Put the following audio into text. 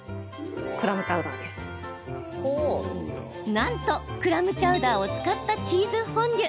なんと、クラムチャウダーを使ったチーズフォンデュ。